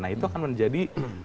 nah itu akan menjadi